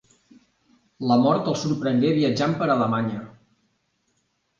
La mort el sorprengué viatjant per Alemanya.